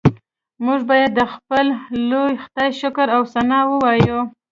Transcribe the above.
موږ باید د خپل لوی خدای شکر او ثنا ووایو